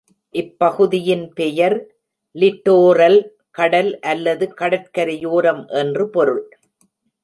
இப்பகுதியின் பெயர் லிட்டோரல், கடல் அல்லது கடற்கரையோரம் என்று பொருள்.